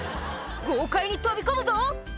「豪快に飛び込むぞ」